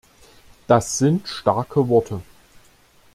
Das sind starke Worte.